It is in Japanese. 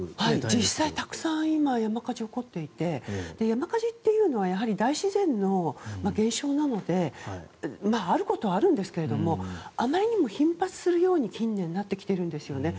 実際、山火事がたくさん起こっていて山火事っていうのは大自然の現象なのであることはあるんですがあまりにも頻発するように近年なってきているんですね。